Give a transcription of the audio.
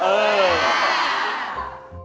เออ